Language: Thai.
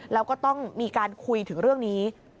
แล้วก็ต้องมีการคุยถึงเรื่องนี้